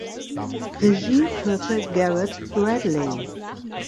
Regie führte Garrett Bradley.